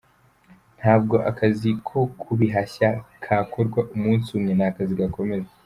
Ntabwo akazi ko kubihashya kakorwa umunsi umwe, ni akazi gakomeza.